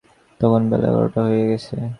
তখন বেলা এগারোটা হইয়া গেছে ।